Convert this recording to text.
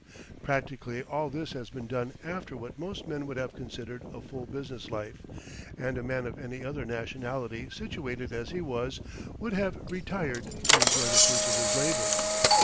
Practically all this has been done after what most men would have considered a full business life, and a man of any other nationality situated as he was would have retired to enjoy the fruits of his labour.